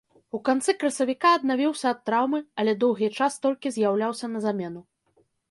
У канцы красавіка аднавіўся ад траўмы, але доўгі час толькі з'яўляўся на замену.